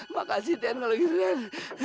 makasih den kalau gitu den